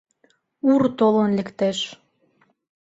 Ур толын лектеш.